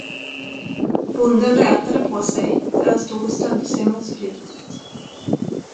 Bonden rätade på sig, där han stod och stödde sig mot spjutet.